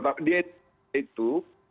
pertama di itu